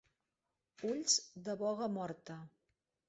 Ulls de boga morta.